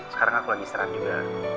sekarang aku lagi serang juga